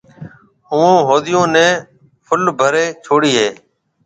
اُوئون هوديون نَي ڦُل ڀريَ ڇوڙيَ هيَ۔